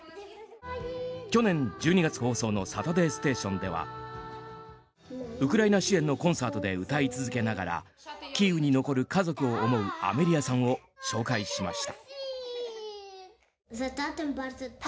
去年１２月放送の「サタデーステーション」ではウクライナ支援のコンサートで歌い続けながらキーウに残る家族を思うアメリアさんを紹介しました。